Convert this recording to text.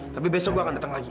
tapi besok gue akan datang lagi